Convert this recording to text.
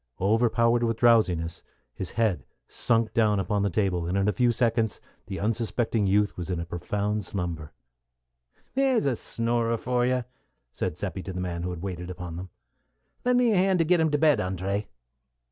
Overpowered with drowsiness, his head sunk down upon the table, and in a few seconds the unsuspecting youth was in a profound slumber. "There's a snorer for you!" said Seppi to the man who had waited upon them. "Lend me a hand to get him to bed, André."